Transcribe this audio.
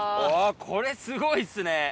これすごいっすね。